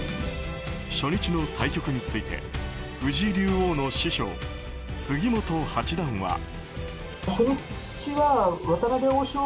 初日の対局について藤井竜王の師匠、杉本八段は。